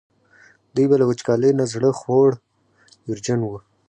دوی به له وچکالۍ نه زړه خوړ ویرجن وو.